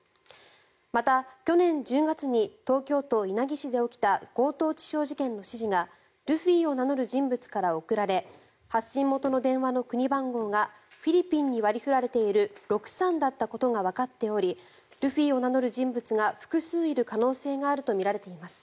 また、去年１０月に東京都稲城市で起きた強盗致傷事件の指示がルフィを名乗る人物から送られ発信元の電話の国番号がフィリピンに割り振られている「６３」だったことがわかっておりルフィを名乗る人物が複数いる可能性があるとみられています。